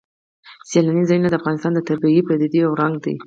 سیلانی ځایونه د افغانستان د طبیعي پدیدو یو رنګ دی.